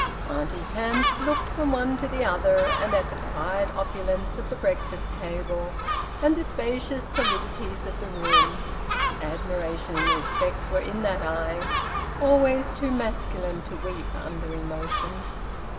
Auntie Hamps looked from one to the other, and at the quiet opulence of the breakfast table, and the spacious solidities of the room. Admiration and respect were in that eye, always too masculine to weep under emotion.